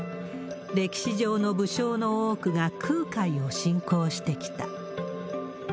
歴史上の武将の多くが空海を信仰してきた。